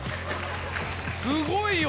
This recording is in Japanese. すごいよ！